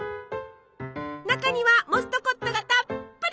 中にはモストコットがたっぷり！